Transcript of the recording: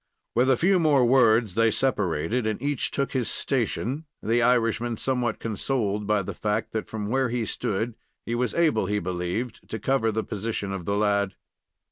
With a few more words they separated, and each took his station, the Irishman somewhat consoled by the fact that from where he stood he was able, he believed, to cover the position of the lad.